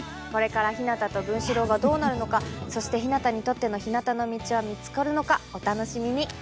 これからひなたと文四郎がどうなるのかそしてひなたにとってのひなたの道は見つかるのかお楽しみに！